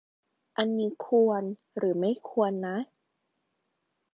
อันนี้ควร หรือไม่ควรนะ